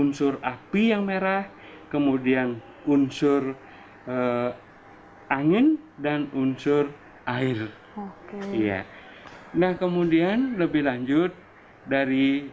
unsur api yang merah kemudian unsur angin dan unsur air iya nah kemudian lebih lanjut dari